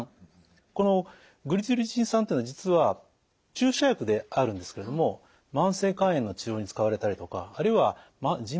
このグリチルリチン酸というのは実は注射薬であるんですけれども慢性肝炎の治療に使われたりとかあるいはじん